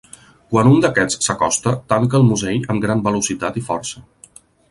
Quan un d'aquests s'acosta, tanca el musell amb gran velocitat i força.